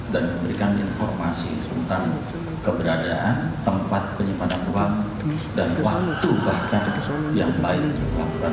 dan memberikan informasi tentang keberadaan tempat penyimpanan ruang dan waktu bahkan yang lain untuk melakukan aksi